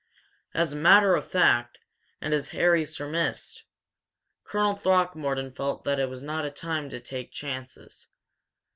As a matter of fact, and as Harry surmised, Colonel Throckmorton felt that it was not a time to take chances.